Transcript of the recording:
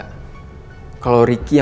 bahkan pak randy gak percaya